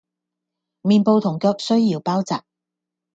面部同腳需要包紥